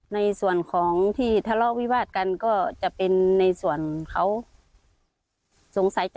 ในส่วนของที่ทะเลาะวิวาดกันก็จะเป็นในส่วนเขาสงสัยจะ